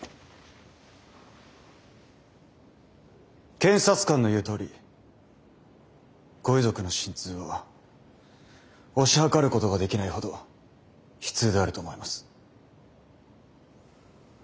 検察官の言うとおりご遺族の心痛は推し量ることができないほど悲痛であると思います。